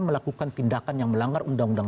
melakukan tindakan yang melanggar undang undang